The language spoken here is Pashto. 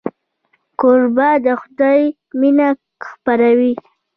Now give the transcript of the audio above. کوربه د خدای مینه خپروي.